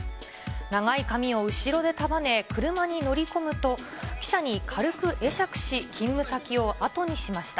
長い髪を後ろで束ね、車に乗り込むと、記者に軽く会釈し、勤務先を後にしました。